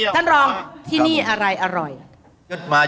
ท่านรองที่นี่อะไรอร่อย